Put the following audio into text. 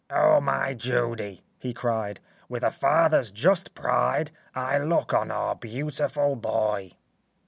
"Oh, my Judy," he cried, "With a father's just pride, I look on our beautiful boy."